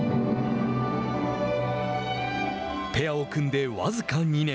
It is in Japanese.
ペアを組んで僅か２年。